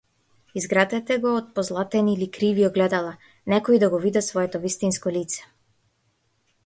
Изградете го од позлатени или криви огледала, некои да го видат своето вистинско лице.